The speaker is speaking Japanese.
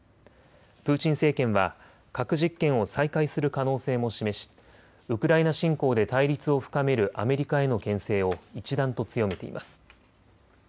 プーチン政権は核実験を再開する可能性も示し、ウクライナ侵攻で対立を深めるアメリカへのけん制を一段と強めています。